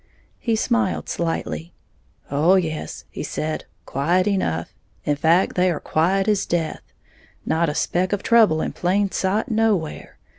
He smiled slightly. "Oh yes," he said; "quiet enough, in fact, they are quiet as death, not a speck of trouble in plain sight nowhere.